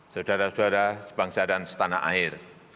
saudara saudara sebangsa dan setanah air